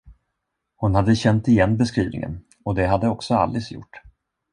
Hon hade känt igen beskrivningen, och det hade också Alice gjort.